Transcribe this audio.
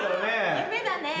夢だね！